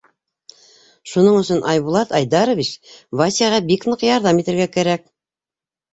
— Шуның өсөн, Айбулат Айдарович, Васяға бик ныҡ ярҙам итергә кәрәк.